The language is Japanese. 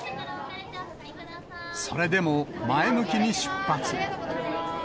それでも、前向きに出発。